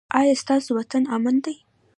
ایا ستاسو وطن امن دی؟